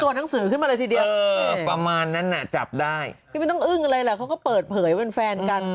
หนังสือขึ้นมาเลยทีเดียวประมาณนั้นน่ะจับได้พี่ไม่ต้องอึ้งอะไรแหละเขาก็เปิดเผยเป็นแฟนกัน